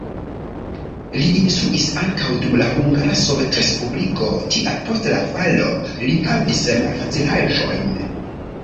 Li instruis ankaŭ dum la Hungara Sovetrespubliko, tial post la falo li havis malfacilaĵojn.